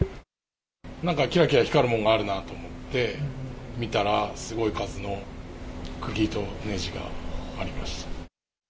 なんかきらきら光るものがあるなと思って、見たら、すごい数のくぎとねじがありました。